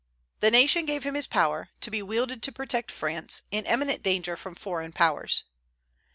The nation gave him his power, to be wielded to protect France, in imminent danger from foreign powers.